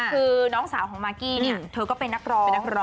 คือน้องสาวของมากี้เธอก็เป็นนักร้อง